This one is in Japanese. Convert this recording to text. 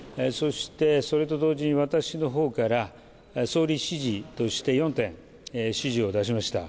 それと同時に私の方から総理指示として４点指示を出しました。